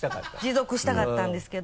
持続したかったんですけど。